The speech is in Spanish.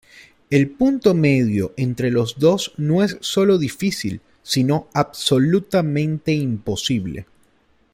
El punto medio entre los dos no es solo difícil, sino absolutamente imposible".